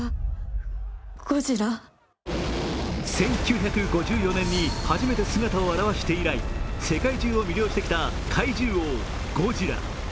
１９５４年に初めて姿を現して以来、世界中を魅了してきた怪獣王・ゴジラ。